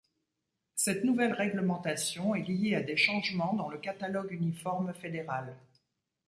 Cette nouvelle réglementation est liée à des changements dans le catalogue uniforme fédéral.